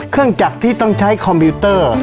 เครื่องจักรที่ต้องใช้คอมพิวเตอร์